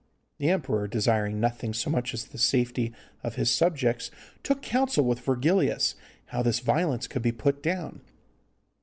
The emperor, desiring nothing so much as the safety of his subjects, took counsel with Virgilius how this violence could be put down.